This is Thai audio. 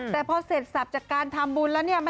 แต่พอเสร็จสับจากการทำบุญแล้วเนี่ย